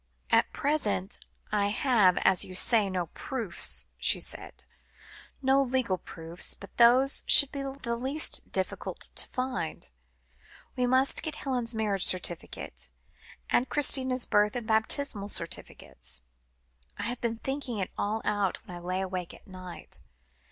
"At present I have, as you say, no proofs," she said. "No legal proofs. But those should be the least difficult to find. We must get Helen's marriage certificate, and Christina's birth and baptismal certificates. I have been thinking it all out, when I lay awake at night.